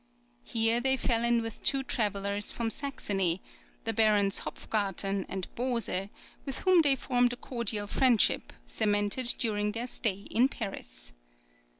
Here they fell in with two travellers from Saxony, the Barons Hopfgarten and Bose, with whom they formed a cordial friendship, cemented during their stay in Paris.